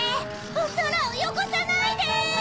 おそらをよごさないで！